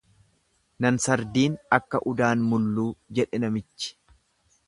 Nan sardiin akka udaan mulluu jedhe namichi.